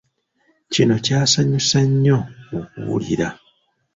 Kino kyasanyusa nnyo okuwulira.